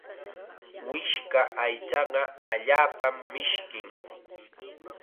Wishka aychaqa allaapam mishkin.